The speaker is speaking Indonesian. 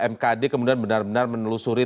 mkd kemudian benar benar menelusuri